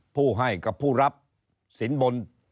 ผู้ให้กับผู้รับสินบน